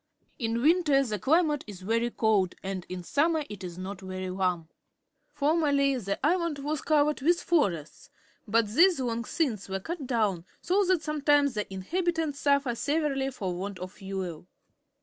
In winter the climatp is very cold^ and in summer it is not very warm. Former ly the island was covered with forests, but these loiig since were cut down, so that sometimes the inhabitants suffer severely for want of fuel.